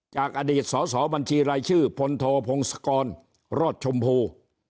จากอดีตสอสอบัญชีรายชื่อพลโทพงศกรรอดชมพู